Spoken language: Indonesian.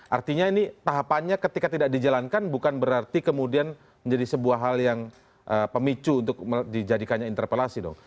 artinya ini tahapannya ketika tidak dijalankan bukan berarti kemudian menjadi sebuah hal yang pemicu untuk dijadikannya interpelasi dong